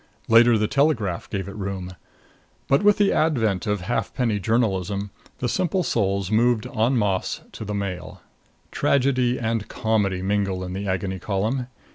Later the Telegraph gave it room; but, with the advent of halfpenny journalism, the simple souls moved en masse to the Mail. Tragedy and comedy mingle in the Agony Column.